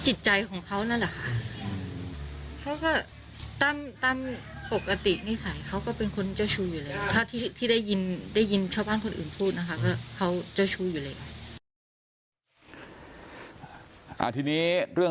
ก็จิตใจของเขานั่นแหละค่ะเขาก็ตามปกตินิสัยเขาก็เป็นคนเจ้าชู้อยู่เลย